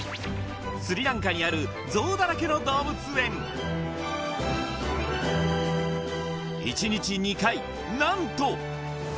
スリランカにあるゾウだらけの動物園１日２回何と！